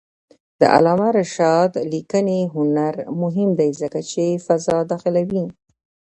د علامه رشاد لیکنی هنر مهم دی ځکه چې فضا داخلوي.